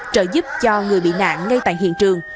trợ giúp cho người bị nạn ngay tại hiện trường